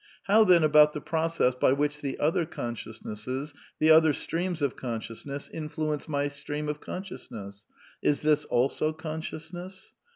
How then about the process by which the other consciousnesses, the other streams of consciousness, influence my stream of consciousness ? Is this also consciousness?